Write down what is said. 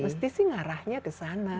mesti sih ngarahnya ke sana